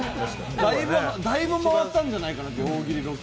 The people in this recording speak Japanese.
だいぶ回ったんじゃないかなと、大喜利ロケ。